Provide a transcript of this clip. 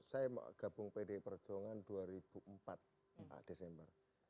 saya gabung pd perjuangan dua ribu empat empat desember